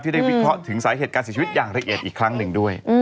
ได้วิเคราะห์ถึงสาเหตุการเสียชีวิตอย่างละเอียดอีกครั้งหนึ่งด้วย